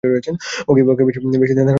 ওকে বেশী ধ্যানধারণা করতে দেখলে আমাদের ভয় হয়।